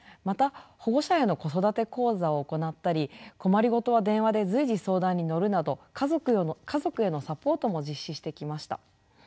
また保護者への子育て講座を行ったり困り事は電話で随時相談に乗るなど家族へのサポートも実施してきました。